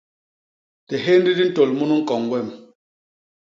Dihénd di ntôl munu ñkon wem.